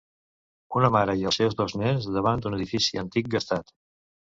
Una mare i els seus dos nens davant d'un edifici antic gastat